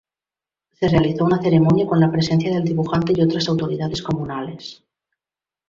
Se realizó una ceremonia con la presencia del dibujante y otras autoridades comunales.